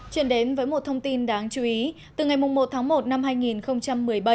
chuyển đến với một thông tin đáng chú ý từ ngày một tháng một năm hai nghìn một mươi bảy